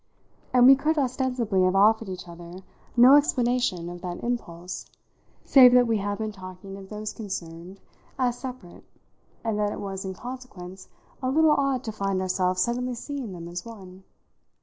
And we could ostensibly have offered each other no explanation of that impulse save that we had been talking of those concerned as separate and that it was in consequence a little odd to find ourselves suddenly seeing them as one.